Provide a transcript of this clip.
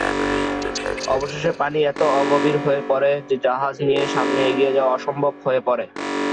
অবশেষে পানি এত অগভীর হয়ে পড়ে যে জাহাজ নিয়ে সামনে এগিয়ে যাওয়া অসম্ভব হয়ে পড়ে।